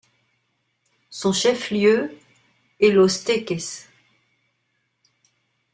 Son chef-lieu est Los Teques.